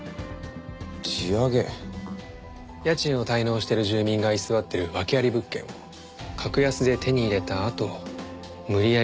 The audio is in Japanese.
家賃を滞納してる住人が居座ってる訳あり物件を格安で手に入れたあと無理やり追い出すとか。